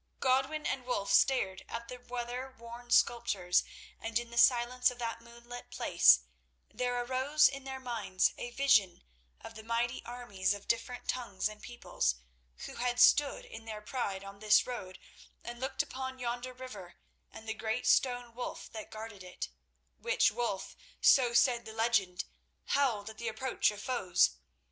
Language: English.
Godwin and Wulf stared at the weather worn sculptures, and in the silence of that moonlit place there arose in their minds a vision of the mighty armies of different tongues and peoples who had stood in their pride on this road and looked upon yonder river and the great stone wolf that guarded it, which wolf, so said the legend, howled at the approach of foes.